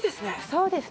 そうですね。